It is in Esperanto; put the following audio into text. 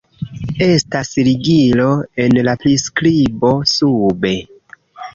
Estas ligilon en la priskribo sube